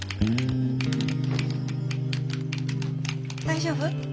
大丈夫？